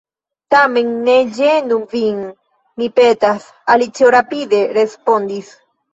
"Tamen ne ĝenu vin, mi petas," Alicio rapide respondis.